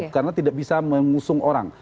karena tidak bisa mengusung orang